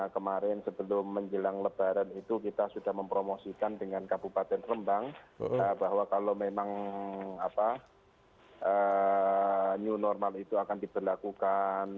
kemarin sebelum menjelang lebaran itu kita sudah mempromosikan dengan kabupaten rembang bahwa kalau memang new normal itu akan diberlakukan